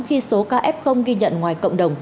khi số ca f ghi nhận ngoài cộng đồng